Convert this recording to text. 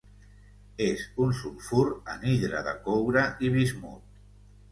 És un sulfur anhidre de coure i bismut.